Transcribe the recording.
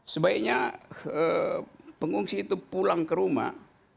sebaiknya pengungsi itu pulang ke rumah